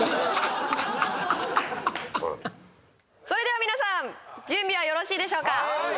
それでは皆さん準備はよろしいでしょうか？